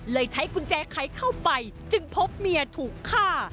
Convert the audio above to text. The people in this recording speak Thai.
ใช้กุญแจไขเข้าไปจึงพบเมียถูกฆ่า